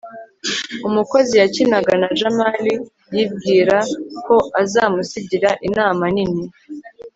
umukozi yakinaga na jamali yibwira ko azamusigira inama nini